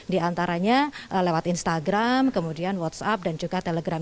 diantaranya lewat instagram kemudian whatsapp dan juga telegram